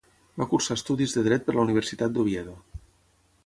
Va cursar estudis de Dret per la Universitat d'Oviedo.